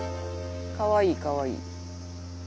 かわいいかわいい。